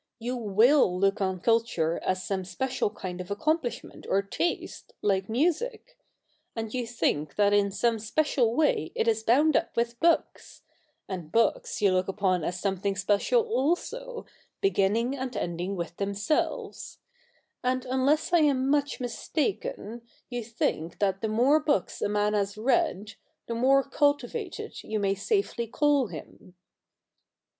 You will look on culture as some special kind of accom plishment or taste, like music ; and you think that in some special way it is bound up with books ; and books you look upon as something special also, beginning and ending with themselves ; and, unless I am much mis taken, you think that the more books a man has read, the more cultivated you may safely call him.'